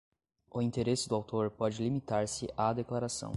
O interesse do autor pode limitar-se à declaração: